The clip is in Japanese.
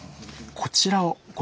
こちらをご覧下さい。